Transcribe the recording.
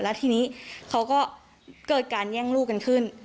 แล้วทีนี้เขาก็เกิดการแย่งลูกกันขึ้น